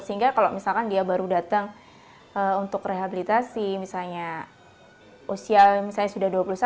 sehingga kalau misalkan dia baru datang untuk rehabilitasi misalnya usia misalnya sudah dua puluh satu